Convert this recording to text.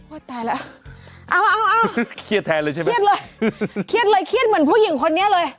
ตายแล้วเอาเอาเครียดแทนเลยใช่ไหมเครียดเลยเครียดเลยเครียดเหมือนผู้หญิงคนนี้เลย